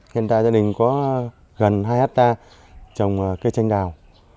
hiện tại gia đình có gần hai hectare trồng cây tranh đào